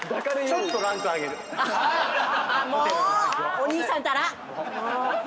お兄さんったら！